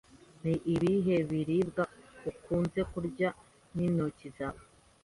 Ni ibihe biribwa ukunze kurya n'intoki zawe?